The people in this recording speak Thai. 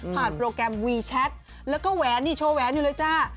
โปรแกรมวีแชทแล้วก็แหวนนี่โชว์แหวนอยู่เลยจ้า